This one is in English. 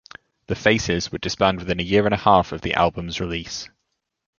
The Faces would disband within a year and a half of the album's release.